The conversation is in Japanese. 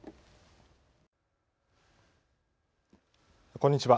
こんにちは。